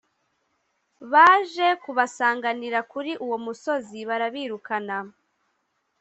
baje kubasanganira kuri uwo musozi barabirukana